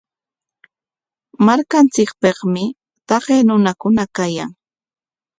Markanchikpikmi taqay runakuna kayan.